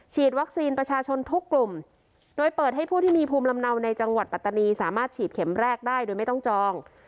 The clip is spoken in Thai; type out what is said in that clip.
วัคซีนประชาชนทุกกลุ่มโดยเปิดให้ผู้ที่มีภูมิลำเนาในจังหวัดปัตตานีสามารถฉีดเข็มแรกได้โดยไม่ต้องจอง